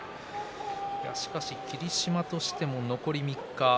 しかし霧島としても残り３日。